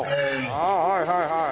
ああはいはいはい。